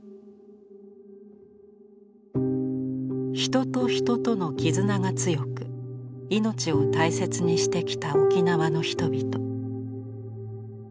人と人との絆が強く命を大切にしてきた沖縄の人々。